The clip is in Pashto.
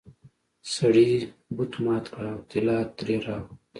سړي بت مات کړ او طلا ترې راووته.